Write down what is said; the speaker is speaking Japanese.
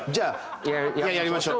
やりましょう。